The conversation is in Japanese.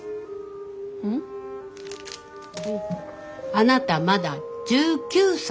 あなたまだ１９歳。